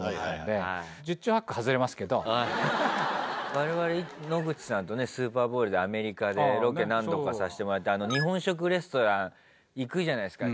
我々野口さんとねスーパーボウルでアメリカでロケ何度かさせてもらって日本食レストラン行くじゃないですか。